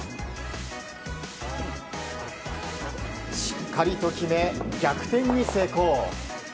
しっかりと決め、逆転に成功。